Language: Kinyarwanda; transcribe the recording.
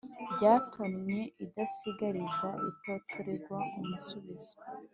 Ryatonnye indasigariza Itoto rigwa umusubizo.